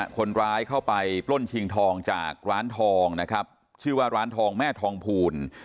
คนร้ายเข้าไปปล้นฉีงทองจากร้านทองชื่อแบบร้านทองแม่ทองผูล